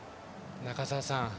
中澤さん